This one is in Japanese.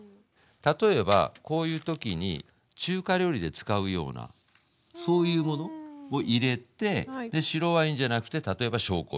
例えばこういう時に中華料理で使うようなそういうものを入れてで白ワインじゃなくて例えば紹興酒。